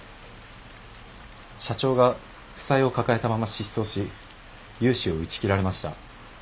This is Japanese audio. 社長が負債を抱えたまま失踪し融資を打ち切られました。